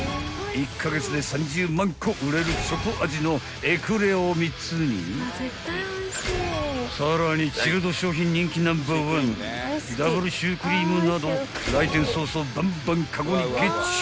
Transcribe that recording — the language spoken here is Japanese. ［１カ月で３０万個売れるチョコ味のエクレアを３つにさらにチルド商品人気ナンバーワンダブルシュークリームなど来店早々バンバンカゴにゲッチュ］